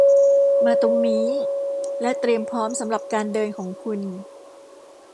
มาตรงนี้ และเตรียมพร้อมสำหรับการเดินของคุณ